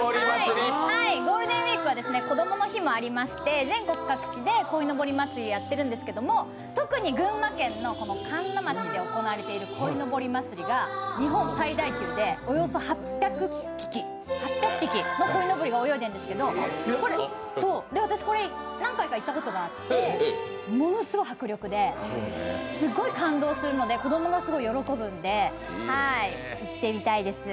ゴールデンウイークはこどもの日もありまして全国各地で鯉のぼり祭りやってるんですけど特に群馬県の神流町で行われている鯉のぼり祭りが日本最大級でおよそ８００匹の鯉のぼりが泳いでいるんですけど、私、何回か行ったことがあってものすごい迫力ですごい感動するので、子供がすごい喜ぶんで行ってみたいです。